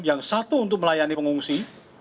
yang satu untuk melayani pengungsi